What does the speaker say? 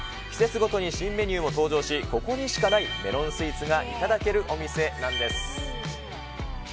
季節ごとに新メニューも登場し、ここにしかないメロンスイーツがいただけるお店なんです。